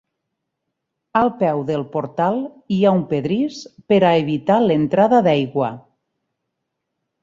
Al peu del portal hi ha un pedrís per a evitar l'entrada d'aigua.